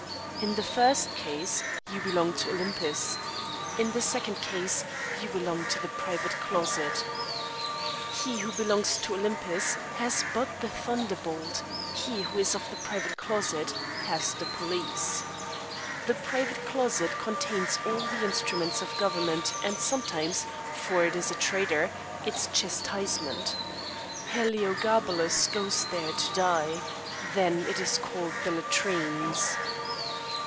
In the first case, you belong to Olympus. In the second case, you belong to the private closet. He who belongs to Olympus has but the thunderbolt, he who is of the private closet has the police. The private closet contains all the instruments of government, and sometimes, for it is a traitor, its chastisement. Heliogabalus goes there to die. Then it is called the latrines.